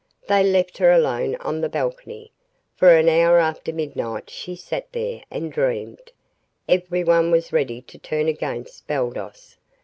They left her alone on the balcony. For an hour after midnight she sat there and dreamed. Everyone was ready to turn against Baldos.